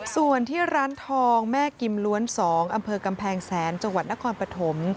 ส่วนที่ร้านทองแม่กิมล้วน๒อำเภอกำแพงแสนจังหวัดนครปฐม